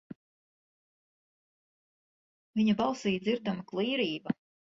Viņa balsī dzirdama klīrība.